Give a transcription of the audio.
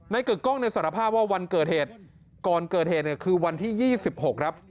เกิกกล้องเนี่ยสารภาพว่าวันเกิดเหตุก่อนเกิดเหตุเนี่ยคือวันที่๒๖ครับ